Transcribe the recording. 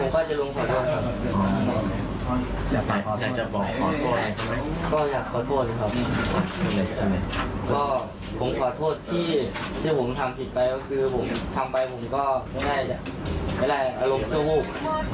ก็ผมขอโทษที่ที่ผมทำผิดไปก็คือผมทำไปผมก็ไม่ได้อะไรอารมณ์เจ้าวูบ